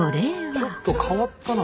ちょっと変わったな。